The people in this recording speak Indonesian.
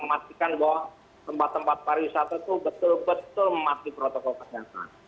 memastikan bahwa tempat tempat pariwisata itu betul betul mematuhi protokol kesehatan